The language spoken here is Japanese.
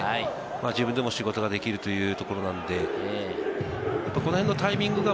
自分でも仕事ができるというところなので、この辺のタイミングが